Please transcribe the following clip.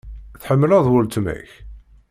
Tḥemmleḍ weltma-k?